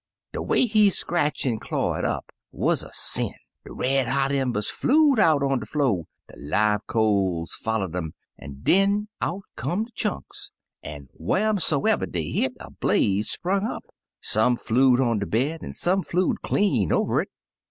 De way he scratch an' claw it up wuz er 76 Taily Po sh. De red hot embers flew*d out on de fio\ de live coals foUer'd um, an' den out come der chunks, an* wharsomever dey hit a blaze sprung up. Some flew'd on de bed, an' some flew'd clean over it.